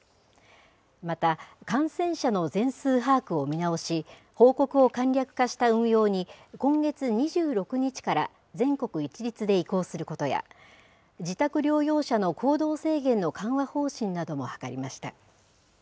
また感染者の全数把握を見直し、報告を簡略化した運用に今月２６日から全国一律で移行することや、自宅療養者の行動制限の緩和方針なども諮りました。